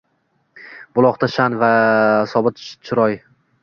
Buloqda sha’n va sobit chiroy.